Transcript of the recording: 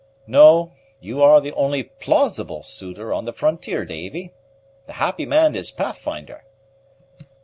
"No, you are the only plausible suitor on the frontier, Davy. The happy man is Pathfinder."